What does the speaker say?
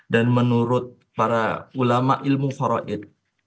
dan menurut para ulama ilmu faraid